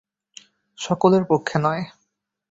সকলের পক্ষে নয়।